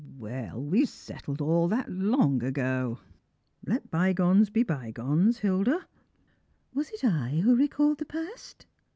" 0, well, we settled all that ever so long ago. Let bygones be bygones, Hilda." " Was it I who recalled the past